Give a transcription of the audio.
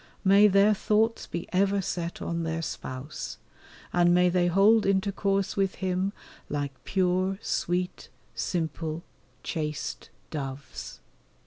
May their thoughts be ever set on their Spouse, and may they hold intercourse with Him like pure, sweet, simple, chaste doves.